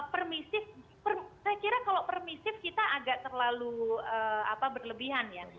permisif saya kira kalau permisif kita agak terlalu berlebihan ya